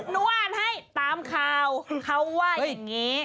หนูอ่านให้ตามข่าวเขาว่าอย่างนี้